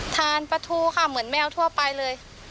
ทานปลาทูค่ะเหมือนแมวทั่วไปเลย